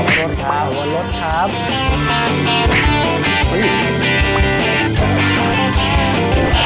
สุดของรวมรส